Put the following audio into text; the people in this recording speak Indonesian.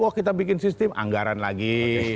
wah kita bikin sistem anggaran lagi